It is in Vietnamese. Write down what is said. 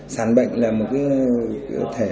sản bệnh là một cơ thể